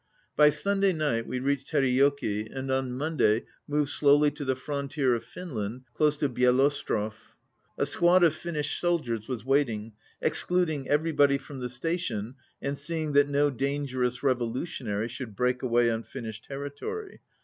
By Sunday night we reached Terijoki and on Monday moved slowly to the frontier of Finland close to Bieloostrov. A squad of Finnish soldiers was waiting, excluding everybody from the station and seeing that no dangerous revolutionary should break away on Finnish territory.